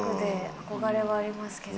憧れはありますけど。